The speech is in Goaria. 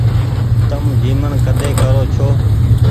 تم جيمڻ ڪۮي ڪرو ڇو۔